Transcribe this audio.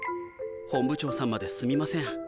本部長さんまですみません。